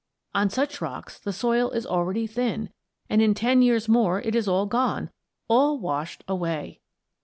On such rocks the soil is already thin, and in ten years more it is all gone; all washed away!